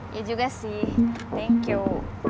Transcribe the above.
iya juga sih thank you